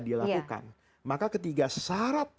dilakukan maka ketiga syarat